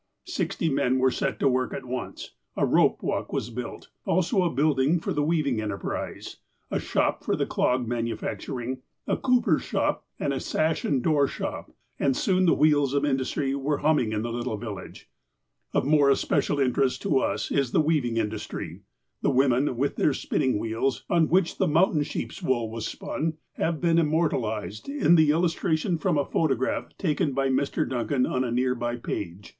Sixty men were set to work at once. A rope walk was built, also a building for the weaving enterprise, a shop for the clog manufacturing, a cooper's shop, and a sash and door shop, and soon the wheels of industry were humming in the little village. Of more especial interest to us is the weaving industry. The women, with their spinning wheels, on which the mountain sheep's wool was spun, have been immortalized in the illustration from a photograph taken by Mr. Dun can, on a near by page.